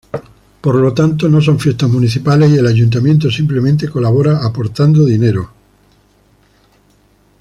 Por lo tanto no son fiestas municipales y el Ayuntamiento simplemente colabora aportando dinero.